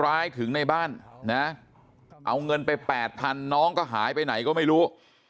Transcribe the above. ร้ายถึงในบ้านนะเอาเงินไป๘๐๐น้องก็หายไปไหนก็ไม่รู้